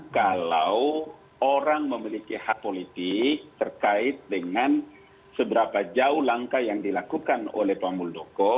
kalau orang memiliki hak politik terkait dengan seberapa jauh langkah yang dilakukan oleh pak muldoko